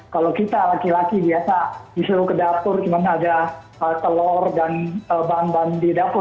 kalau kita laki laki biasa disuruh ke dapur cuman ada telur dan bahan bahan di dapur